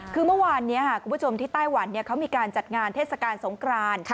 คือเมื่อวานนี้คุณผู้ชมที่ไต้หวันเขามีการจัดงานเทศกาลสงคราน